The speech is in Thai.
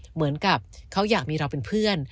เหมือนกับเขาอยากมีเราเป็นเพื่อน